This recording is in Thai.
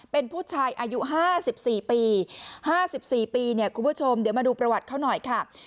เป็นผู้ชายอายุ๕๔ปี๕๔ปีเนี่ยคุณผู้ชมเดี๋ยวมาดูประวัติเขาหน่อยค่ะ